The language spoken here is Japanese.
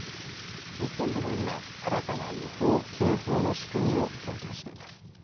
日本でも今新たな予報・警報の仕組みを検討しています。